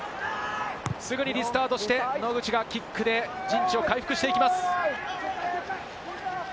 すぐにリスタートして、野口がキックで陣地を回復していきます。